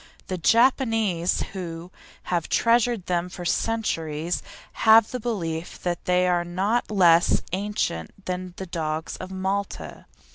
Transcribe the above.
The Japanese, who have treasured them for centuries, have the belief that they are not less ancient than the dogs of Malta.